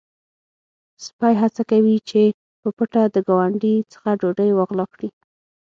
سپی هڅه کوي چې په پټه د ګاونډي څخه ډوډۍ وغلا کړي.